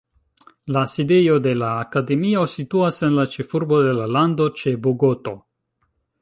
La sidejo de la akademio situas en la ĉefurbo de la lando, ĉe Bogoto.